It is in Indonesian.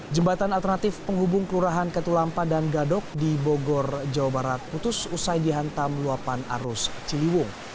jembatan alternatif penghubung kelurahan katulampa dan gadok di bogor jawa barat putus usai dihantam luapan arus ciliwung